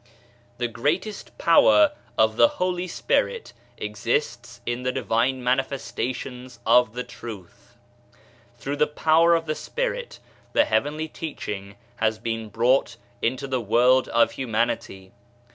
The greatest power of the Holy Spirit exists in the Divine Manifestations of the Truth. Through the Power of the Spirit the Heavenly Teaching has been brought into the World of Humanity.